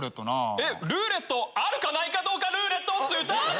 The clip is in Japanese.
えっルーレットあるかないかどうかルーレットスタート！